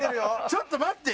ちょっと待って。